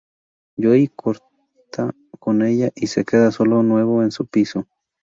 Joey corta con ella y se queda solo de nuevo en su piso.